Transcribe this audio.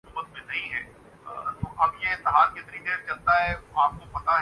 ingress کے رکن بھی رہے تھے